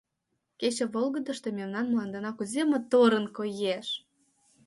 — Кече волгыдышто мемнан мландына кузе моторын коеш!